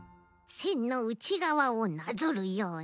せんのうちがわをなぞるように。